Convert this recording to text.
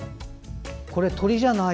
これ、鳥じゃない。